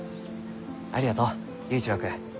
ありがとう佑一郎君。